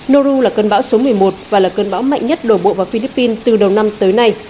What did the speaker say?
noru là cơn bão số một mươi một và là cơn bão mạnh nhất đổ bộ vào philippines từ đầu năm tới nay